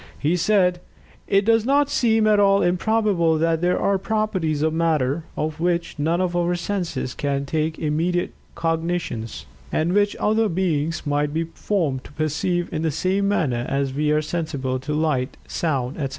He said: "It does not seem at all improbable that there are properties of matter of which none of our senses can take immediate cognizance, and which other beings might be formed to perceive in the same manner as we are sensible to light, sound, etc."